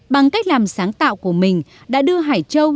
bằng cách làm sáng tạo của mình đã đưa hải châu